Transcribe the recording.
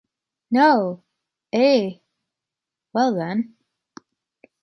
No! Eh! Well then?